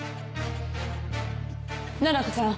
奈々子ちゃん。